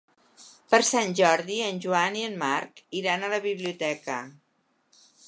Per Sant Jordi en Joan i en Marc iran a la biblioteca.